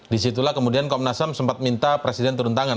disitulah kemudian komnasem sempat minta presiden turun tangan